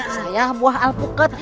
saya buah alpuket